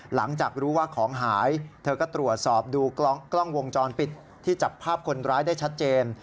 หลังจากรู้ว่าของหายเธอก็ตรวจสอบดูกล้องวงจรปิดที่จับภาพคนร้ายได้ชัดเจน